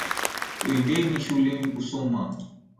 Twendeni shuleni kusoma.